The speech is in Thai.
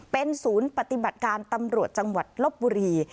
เป็นศูนย์ปฏิบัติการตำรวจจังหวัดลบบุรี